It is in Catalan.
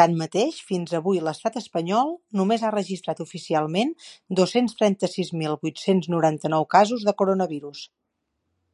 Tanmateix, fins avui l’estat espanyol només ha registrat oficialment dos-cents trenta-sis mil vuit-cents noranta-nou casos de coronavirus.